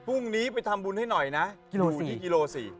พรุ่งนี้ไปทำบุญให้หน่อยนะกิโลอยู่ที่กิโลสิ